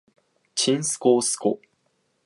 ちんすこうすこ